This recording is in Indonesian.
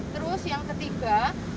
terus yang ketiga